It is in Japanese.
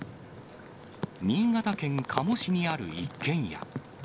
新潟県加茂市にある一軒家。